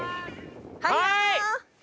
はい！